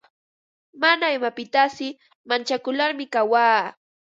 Mana imapitasi manchakularmi kawaa.